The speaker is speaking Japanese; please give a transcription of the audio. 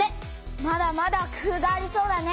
まだまだ工夫がありそうだね。